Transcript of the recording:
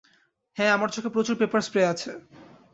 হ্যাঁ, আমার চোখে প্রচুর পেপার স্প্রেও আছে।